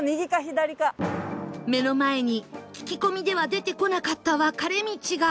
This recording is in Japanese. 目の前に聞き込みでは出てこなかった分かれ道が